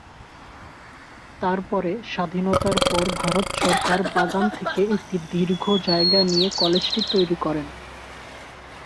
তারপরে স্বাধীনতার পর ভারত সরকার বাগান থেকে একটি দীর্ঘ জায়গা নিয়ে কলেজটি তৈরি করে।